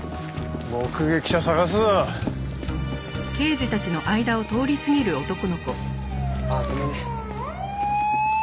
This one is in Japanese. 目撃者捜すぞ！あっごめんね。